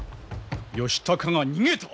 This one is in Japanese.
義高が逃げた！？